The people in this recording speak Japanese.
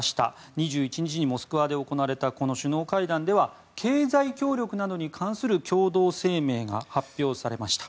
２１日にモスクワで行われた首脳会談では経済協力などに関する共同声明が発表されました。